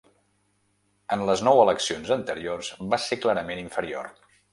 En les nou eleccions anteriors, va ser clarament inferior.